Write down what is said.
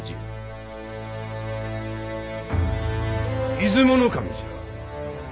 出雲守じゃ。